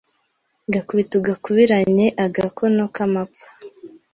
Gakubite ugakubiranyeAgakono k'amapfa